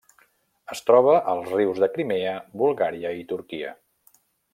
Es troba als rius de Crimea, Bulgària i Turquia.